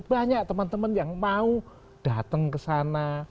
banyak teman teman yang mau datang kesana